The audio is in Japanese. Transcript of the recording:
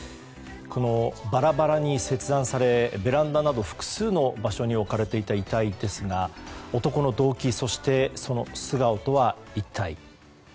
バラバラに切断されベランダなど複数の場所に置かれていた遺体ですが男の動機、そしてその素顔とは一体。